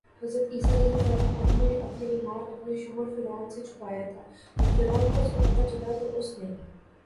حضرت آسیہ رضی اللہ تعالٰی عنہا نے اپنا ایمان اپنے شوہر فرعون سے چھپایا تھا، جب فرعون کو اس کا پتہ چلا تو اس نے